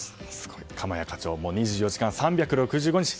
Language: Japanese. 鎌谷課長、２４時間３６５日